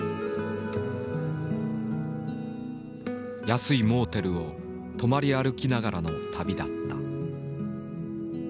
安いモーテルを泊まり歩きながらの旅だった。